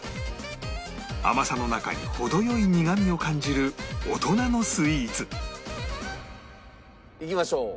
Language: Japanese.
甘さの中に程良い苦みを感じる大人のスイーツいきましょう。